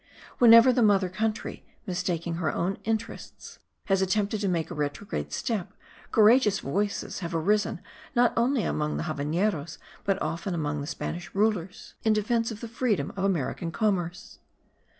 Whenever the mother country, mistaking her own interests, has attempted to make a retrograde step, courageous voices have arisen not only among the Havaneros, but often among the Spanish rulers, in defence of the freedom of American commerce.